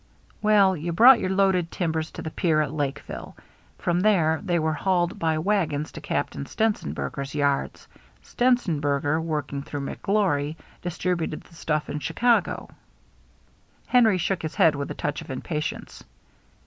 " Well, you brought your loaded timbers to the pier at Lakeville. From there they were hauled by wagons to Captain Stenzenberger's yards. Stenzenberger, working through Mc Glory, distributed the stuff in Chicago.'* Henry shook his head with a touch of impa tience.